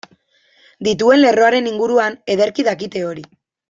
Dituen lerroaren inguruan ederki dakite hori.